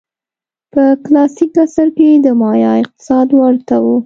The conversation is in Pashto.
په کلاسیک عصر کې د مایا اقتصاد ورته و.